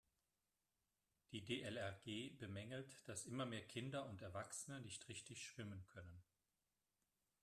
Die DLRG bemängelt, dass immer mehr Kinder und Erwachsene nicht richtig schwimmen können.